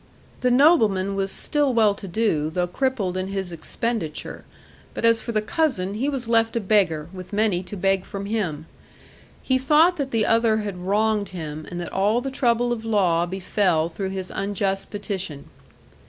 The nobleman was still well to do, though crippled in his expenditure; but as for the cousin, he was left a beggar, with many to beg from him. He thought that the other had wronged him, and that all the trouble of law befell through his unjust petition.